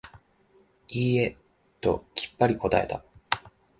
いいえ、ときっぱり答えた。